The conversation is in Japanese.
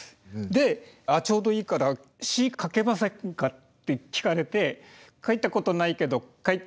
でちょうどいいから詞書けませんかって聞かれて書いたことないけど書きます。